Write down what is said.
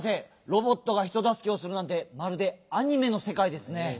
ロボットがひとだすけをするなんてまるでアニメのせかいですね。